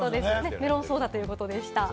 メロンソーダということでした。